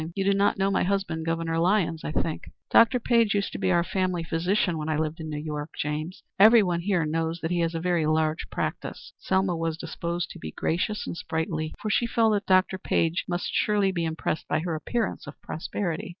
You do not know my husband, Governor Lyons, I think. Dr. Page used to be our family physician when I lived in New York, James. Everyone here knows that he has a very large practice." Selma was disposed to be gracious and sprightly, for she felt that Dr. Page must surely be impressed by her appearance of prosperity.